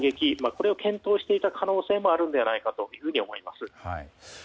これを検討していた可能性もあるのではないかと思います。